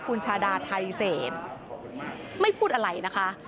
คุณชาดาไทเศษไม่พูดอะไรนะคะ